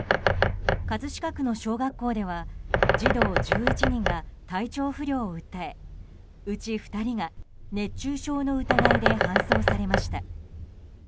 葛飾区の小学校では児童１１人が体調不良を訴え、うち２人が熱中症の疑いで搬送されました。